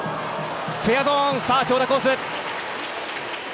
フェアゾーン、長打コース！